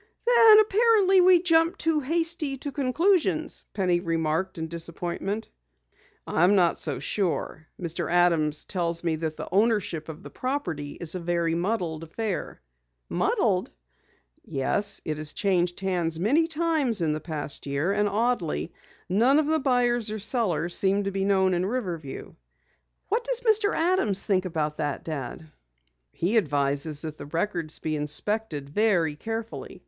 "Then apparently we jumped too hasty to conclusions," Penny remarked in disappointment. "I'm not so sure. Mr. Adams tells me that the ownership of the property is a very muddled affair." "Muddled?" "Yes, it has changed hands many times in the past year, and oddly, none of the buyers or sellers seem to be known in Riverview." "What does Mr. Adams think about that, Dad?" "He advises that the records be inspected very carefully.